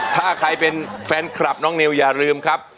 ถ้าใครเป็นแฟนคลับน้องนิวอย่าลืมครับ